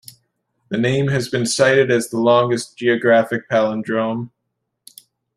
The name has been cited as the longest geographic palindrome.